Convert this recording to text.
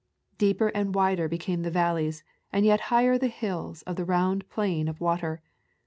Deeper and wider became the valleys, and yet higher the hills of the round plain of water.